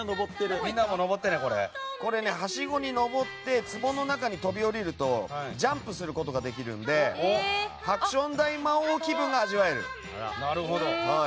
はしごに上って壺の中に飛び降りるとジャンプすることができますのでハクション大魔王気分が味わえる。